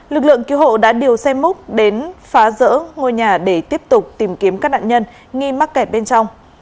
lực lượng cứu hộ đã điều xe múc đến phá rỡ ngôi nhà để tiếp tục tìm kiếm các nạn nhân nghi mắc kẹt bên trong